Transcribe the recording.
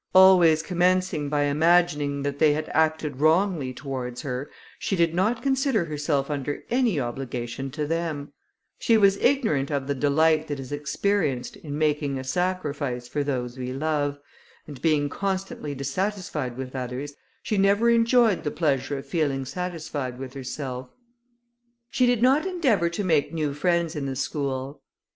Always commencing by imagining that they had acted wrongly towards her, she did not consider herself under any obligation to them; she was ignorant of the delight that is experienced, in making a sacrifice for those we love; and being constantly dissatisfied with others, she never enjoyed the pleasure of feeling satisfied with herself. She did not endeavour to make new friends in the school.